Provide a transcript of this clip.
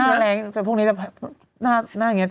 น่าแรงภูมิพวกนี้